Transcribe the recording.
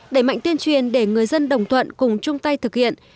đẩy mạnh tuyên truyền để người dân đồng thuận cùng chung tay thực hiện